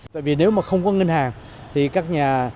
tại vì nếu mà không có ngân hàng thì các nhà